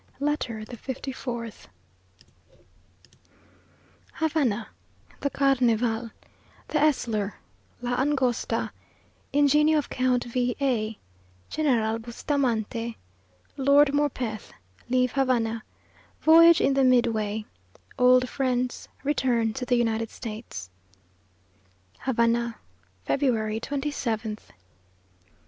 LETTER THE FIFTY FOURTH Havana The Carnival The Elssler La Angosta Ingenio of Count V a General Bustamante Lord Morpeth Leave Havana Voyage in the Medway Old Friends Return to the United States. HAVANA, February 27th.